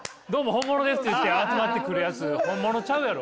本物です」って言って集まってくるやつ本物ちゃうやろ。